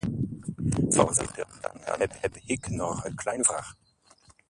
Voorzitter, dan heb ik nog een kleine vraag.